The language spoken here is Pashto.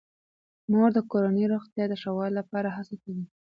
مور د کورنۍ روغتیا د ښه والي لپاره هڅه کوي.